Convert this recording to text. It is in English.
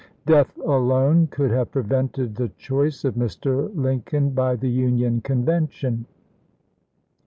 Death alone could have prevented the choice of Mr. Lincoln by the Union Convention.